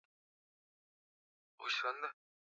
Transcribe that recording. inapatikana nyanda za juu kusini mwa tanzania